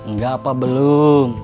nggak apa belum